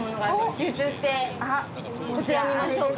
集中してこちら見ましょうか。